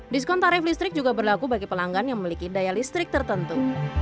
diskon tarif listrik juga berlaku bagi pelanggan yang memiliki daya listrik tertentu